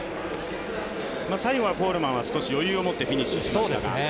最後はコールマンは少し余裕を持ってフィニッシュしましたか。